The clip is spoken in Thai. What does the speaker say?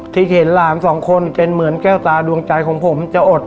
ที่เห็นหลานสองคนเป็นเหมือนแก้วตาดวงใจของผมจะอด